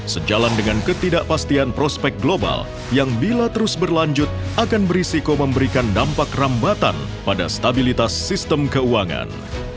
sejalan dengan ketidakpastian prospek global yang bila terus berlanjut akan berisiko memberikan dampak rambatan pada stabilitas sistem keuangan